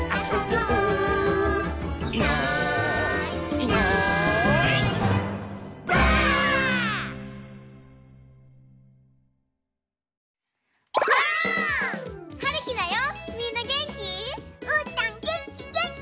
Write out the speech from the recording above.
うーたんげんきげんき！